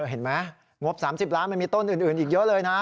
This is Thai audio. เห็นไหมงบ๓๐ล้านมันมีต้นอื่นอีกเยอะเลยนะ